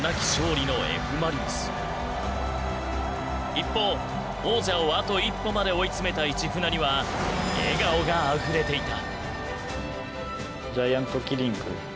一方王者をあと一歩まで追い詰めた市船には笑顔があふれていた。